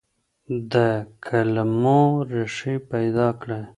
د کلمو ريښې پيدا کړئ.